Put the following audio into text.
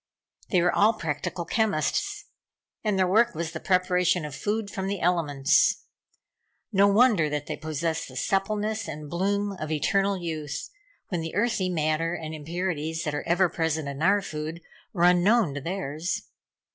They were all practical chemists, and their work was the preparation of food from the elements. No wonder that they possessed the suppleness and bloom of eternal youth, when the earthy matter and impurities that are ever present in our food, were unknown to theirs.